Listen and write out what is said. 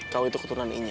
kau itu keturunan ini ya